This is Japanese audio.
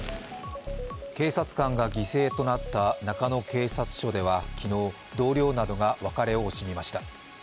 警察官が犠牲となった中野警察署では昨日、同僚などが別れを惜しみました。